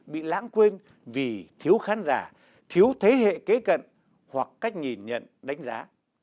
bị lãng quên vì thiếu khán giả thiếu thế hệ kế cận hoặc cách nhìn nhận đánh giá